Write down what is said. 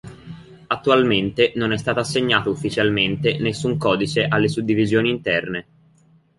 Attualmente non è stato assegnato ufficialmente nessun codice alle suddivisioni interne.